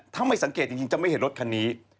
ถ้าไม่สังเกตจริงจะไม่เห็นรถคันนี้